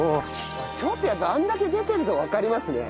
ちょっとやっぱあれだけ出てるとわかりますね。